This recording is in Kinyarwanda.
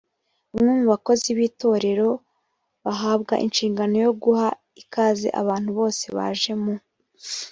bamwe mu bakozi b itorero bahabwa inshingano yo guha ikaze abantu bose baje mu